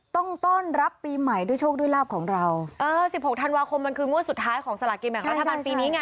ต้องต้อนรับปีใหม่ด้วยโชคด้วยลาบของเราเออสิบหกธันวาคมมันคืองวดสุดท้ายของสลากินแบ่งรัฐบาลปีนี้ไง